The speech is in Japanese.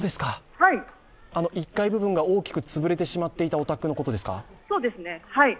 １階部分が大きく潰れていたお宅のことですか？